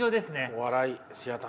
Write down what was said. お笑いシアター。